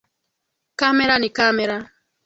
Kamera ni kamera